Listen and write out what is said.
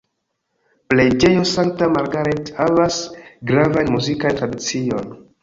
Preĝejo Sankta Margaret havas gravan muzikan tradicion.